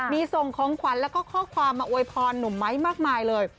มีส่งของขวัญแล้วก็ข้อความมาอวยพรหนุ่มไม้มากมายเลย